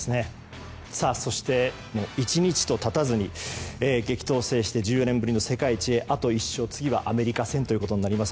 そして、１日と経たずに激闘を制して１４年ぶりの世界一へあと１勝次はアメリカ戦となります。